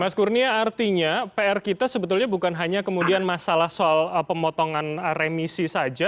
mas kurnia artinya pr kita sebetulnya bukan hanya kemudian masalah soal pemotongan remisi saja